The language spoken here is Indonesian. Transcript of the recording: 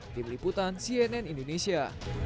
dibeliputan cnn indonesia